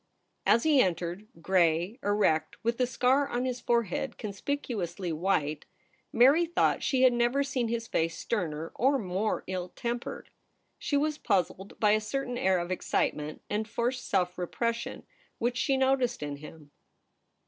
As he entered — gray, erect, with the scar on his forehead conspicuously white — Mary thought she had never seen his face sterner or more ill tempered. She was puzzled by a certain air of excitement and forced self repression which she noticed in him.